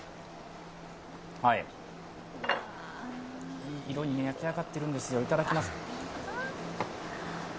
いい色に焼き上がってるんですよ、いただきます。